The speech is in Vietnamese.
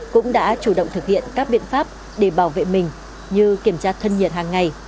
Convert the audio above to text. cũng đã chủ động thực hiện các biện pháp để bảo vệ mình như kiểm tra thân nhiệt hàng ngày